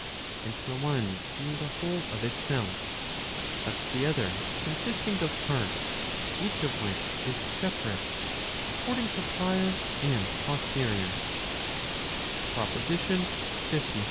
And the one being a whole of itself, but the other consisting of parts, each of which is separate, according to prior and posterior, PROPOSITION LVI.